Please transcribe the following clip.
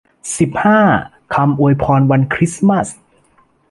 สิบห้า คำอวยพรวันคริสต์มาส